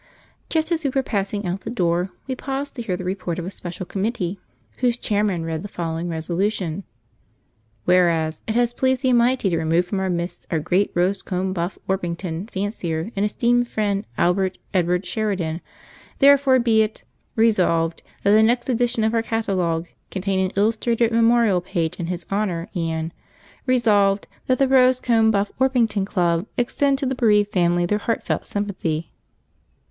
Just as we were passing out the door we paused to hear the report of a special committee whose chairman read the following resolutions: Whereas, It has pleased the Almighty to remove from our midst our greatest Rose Comb Buff Orpington fancier and esteemed friend, Albert Edward Sheridain; therefore be it Resolved, That the next edition of our catalogue contain an illustrated memorial page in his honour and Resolved, That the Rose Comb Buff Orpington Club extend to the bereaved family their heartfelt sympathy.